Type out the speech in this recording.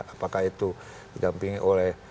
apakah itu didampingi oleh